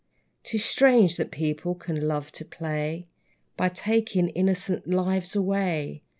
'Tis strange that people can love to play, By taking innocent lives away!